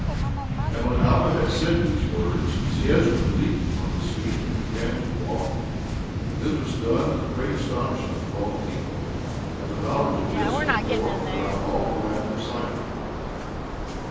15:11 And when Alma had said these words, Zeezrom leaped upon his feet, and began to walk; and this was done to the great astonishment of all the people; and the knowledge of this went forth throughout all the land of Sidom.